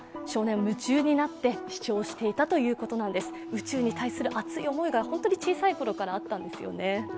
宇宙に対する熱い思いが小さいころからあったんですね。